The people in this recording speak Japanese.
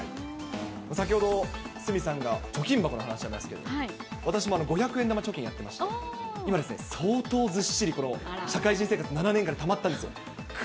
先ほど、鷲見さんが貯金箱の話ありましたけど、私も五百円玉貯金やってまして、今ですね、相当、ずっしり、この社会人生活７年間でたまったんですよ。